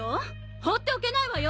放っておけないわよ！